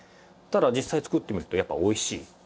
ただ実際作ってみるとやっぱりおいしい。